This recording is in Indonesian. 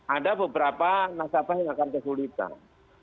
ada beberapa nasabah yang akan kesulitan